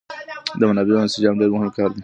د منابعو انسجام ډېر مهم کار دی.